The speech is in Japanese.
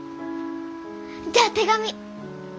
じゃあ手紙！